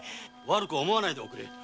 悪く思わないでおくれよ。